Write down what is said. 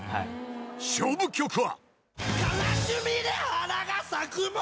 ［勝負曲は］